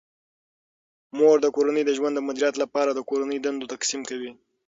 مور د کورني ژوند د مدیریت لپاره د کورني دندو تقسیم کوي.